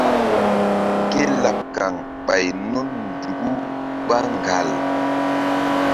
Ke laɓ kaŋ ɓay nun nzuku ɓá ŋgal.